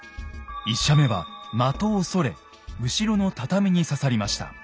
１射目は的をそれ後ろの畳に刺さりました。